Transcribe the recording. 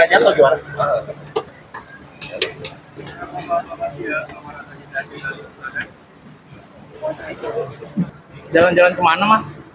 jalan jalan kemana mas